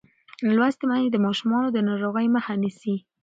لوستې میندې د ماشومانو د ناروغۍ مخه نیسي.